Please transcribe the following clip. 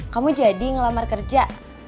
kamu jadi ngelamar kerja